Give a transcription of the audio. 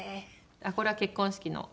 これは結婚式の。